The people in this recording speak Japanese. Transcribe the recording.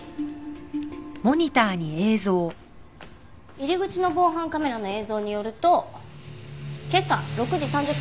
入り口の防犯カメラの映像によると今朝６時３０分です。